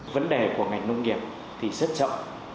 vấn đề của ngành nông nghiệp thì rất chậm